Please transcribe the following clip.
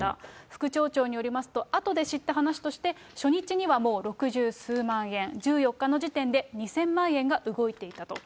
副町長によりますと、あとで知った話として、初日はもう六十数万円、１４日の時点で２０００万円が動いていたと。